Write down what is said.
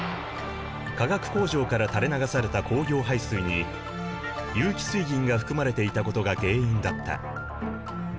化学工場から垂れ流された工業廃水に有機水銀が含まれていたことが原因だった。